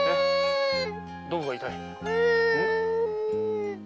どこが痛い？